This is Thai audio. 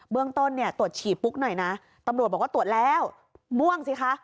เรื่องต้นเนี่ยตรวจฉี่ปุ๊กหน่อยนะตำรวจบอกว่าตรวจแล้วม่วงสิคะ